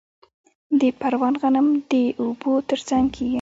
د پروان غنم د اوبو ترڅنګ کیږي.